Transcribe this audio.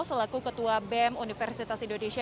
selaku ketua bem universitas indonesia